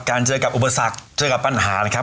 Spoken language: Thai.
เจอกับอุปสรรคเจอกับปัญหานะครับ